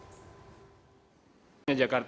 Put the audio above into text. dan tebu secara umumnya berkurang